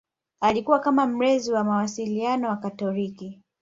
Alikuwa kama mlezi wa wanamawasiliano wakatoliki